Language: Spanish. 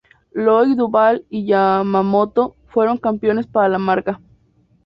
Loïc Duval y Yamamoto fueron campeones para la marca.